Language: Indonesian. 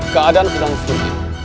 keadaan sedang singkat